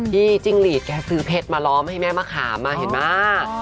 จิ้งหลีดแกซื้อเพชรมาล้อมให้แม่มะขามมาเห็นไหม